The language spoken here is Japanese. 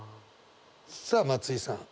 さあ松居さん。